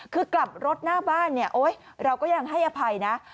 คือกลับรถหน้าบ้านเราก็ยังให้อภัยนะ